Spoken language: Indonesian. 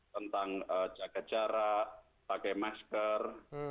tentang jaga jarak pakai masker